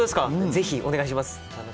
ぜひお願いします。